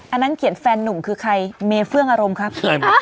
อันนั้นเขียนแฟนหนุ่มคือใครเมเฟื่องอารมณ์ครับ